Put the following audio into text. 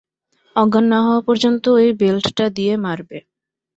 অজ্ঞান না হওয়া পর্যন্ত ওই বেল্টটা দিয়ে মারবে।